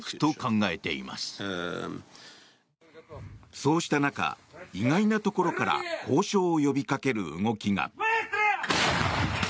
そうした中、意外なところから交渉を呼びかける動きが。